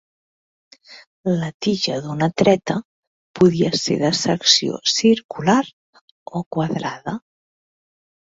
La tija d'una treta podia ser de secció circular o quadrada.